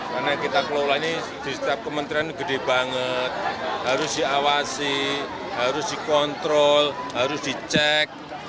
karena kita kelola ini di setiap kementerian gede banget harus diawasi harus dikontrol harus dicek